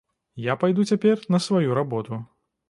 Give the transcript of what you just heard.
Я пайду цяпер на сваю работу.